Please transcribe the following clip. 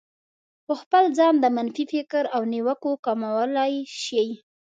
په خپل ځان د منفي فکر او نيوکو کمولای شئ.